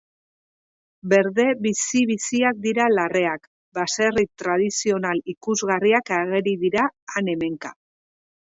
Berde bizi-biziak dira larreak, baserri tradizional ikusgarriak ageri dira han-hemenka.